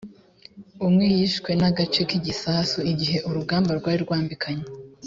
umwe yishwe n agace k igisasu igihe urugamba rwari rwambikanye